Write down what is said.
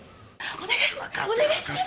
お願いします！